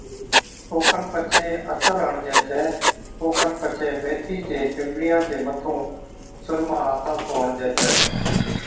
اوکن پڇي عطر ھڻجَي ڇَي اوکن پڇي ميٿِي چي پِمبڻِيا چي مٿُون سُرما ھٿا سُون ھڻجَي ڇَي